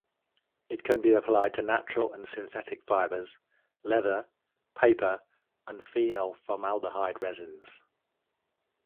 It can be applied to natural and synthetic fibers, leather, paper, and phenol-formaldehyde resins.